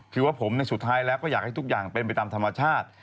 คือว่าผมสุดท้ายแล้วก็อยากให้ทุกอย่างเป็นไปตามธรรมชาติ